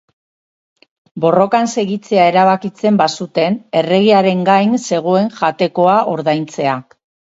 Borrokan segitzea erabakitzen bazuten, erregearen gain zegoen jatekoa ordaintzea.